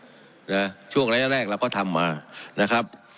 เขาเห็นเราทำได้ผลไงนะช่วงระยะแรกเราก็ทำมานะครับ